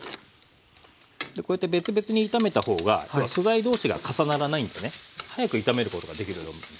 こうやって別々に炒めた方が素材同士が重ならないんでね早く炒めることができると思うんですよね。